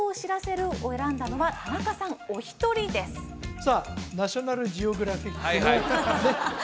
さあ「ナショナルジオグラフィック」のね